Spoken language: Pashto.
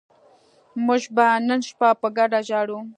موږ به نن شپه په ګډه ژاړو